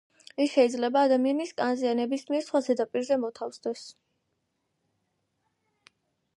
ის შეიძლება ადამიანის კანზე, ან ნებისმიერ სხვა ზედაპირზე მოთავსდეს.